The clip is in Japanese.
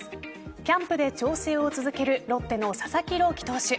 キャンプで調整を続けるロッテの佐々木朗希投手。